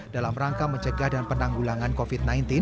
dalam rangka mencegah dan penanggulangan covid sembilan belas